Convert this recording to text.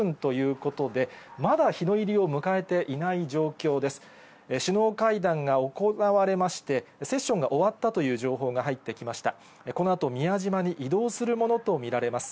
このあと、宮島に移動するものと見られます。